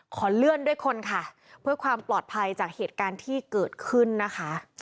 ขอเลื่อนด้วยคนค่ะเพื่อความปลอดภัยจากเหตุการณ์ที่เกิดขึ้นนะคะ